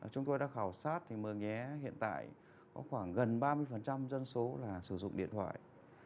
chúng tôi đã khảo sát thì mường nhé hiện tại có khoảng gần ba mươi dân số là sử dụng điện thoại